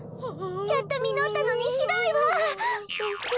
やっとみのったのにひどいわ。